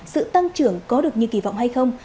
sự tăng trưởng có được như kỳ vọng hay không